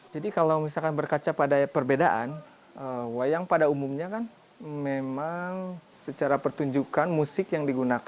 jadi kalau misalkan berkaca pada perbedaan wayang pada umumnya kan memang secara pertunjukan musik yang berbeda